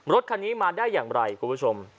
รถคันนี้มาได้อย่างไรคุณผู้ชม